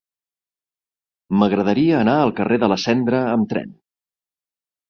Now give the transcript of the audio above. M'agradaria anar al carrer de la Cendra amb tren.